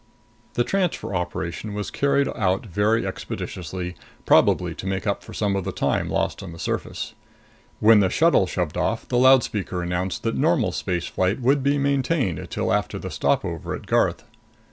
The transfer operation was carried out very expeditiously, probably to make up for some of the time lost on the surface. When the shuttle shoved off, the loudspeaker announced that normal space flight would be maintained till after the stopover at Garth.